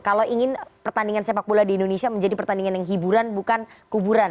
kalau ingin pertandingan sepak bola di indonesia menjadi pertandingan yang hiburan bukan kuburan